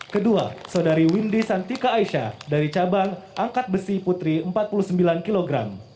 kedua saudari windy santika aisyah dari cabang angkat besi putri empat puluh sembilan kg